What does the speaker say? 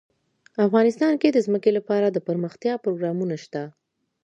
افغانستان کې د ځمکه لپاره دپرمختیا پروګرامونه شته.